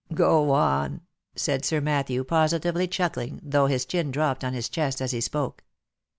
" Go on !" said Sir Matthew, positively chuckling, though his chin dropped on his chest as he spoke.